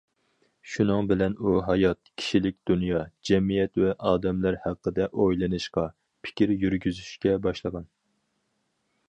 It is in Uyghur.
شۇنىڭ بىلەن ئۇ ھايات، كىشىلىك دۇنيا، جەمئىيەت ۋە ئادەملەر ھەققىدە ئويلىنىشقا، پىكىر يۈرگۈزۈشكە باشلىغان.